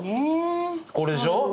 これでしょ？